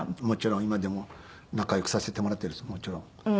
もちろん今でも仲良くさせてもらってるんですもちろん。